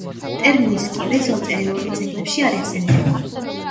ტერმინი „სკივრი“ ძველ წერილობით ძეგლებში არ იხსენიება.